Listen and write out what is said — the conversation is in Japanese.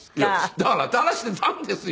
だから垂らしていたんですよ。